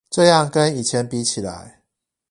這樣跟以前比起來